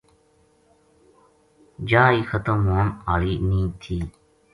جا ہی ختم ہون ہالی نیہہ تھی۔